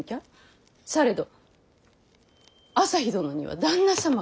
されど旭殿には旦那様が。